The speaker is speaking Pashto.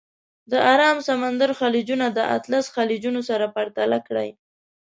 د ارام سمندر خلیجونه د اطلس خلیجونه سره پرتله کړئ.